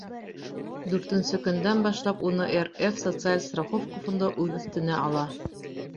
Дүртенсе көндән башлап уны РФ Социаль страховка фонды үҙ өҫтөнә ала.